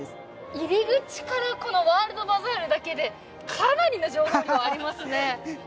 入り口からこのワールドバザールだけでかなりの情報量ありますね